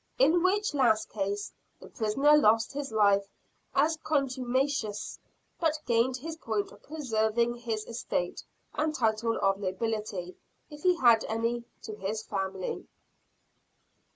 In which last case, the prisoner lost his life as contumacious; but gained his point of preserving his estate, and title of nobility if he had any, to his family.